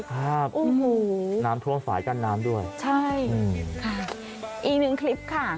ครับน้ำทวงฝายกันน้ำด้วยอืมค่ะอีกหนึ่งคลิปค่ะ